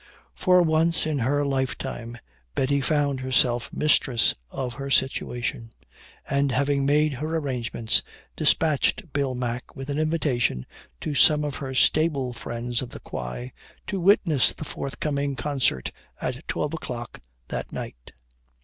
For once in her life time Betty found herself mistress of her situation, and having made her arrangements, despatched Bill Mack with an invitation to some of her sable friends of the Quay to witness the forthcoming concert at twelve o'clock that night.